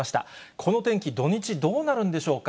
この天気、土日どうなるんでしょうか。